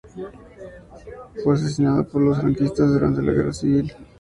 Fue asesinado por los franquistas durante la Guerra Civil.